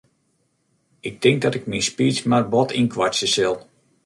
Ik tink dat ik myn speech mar bot ynkoartsje sil.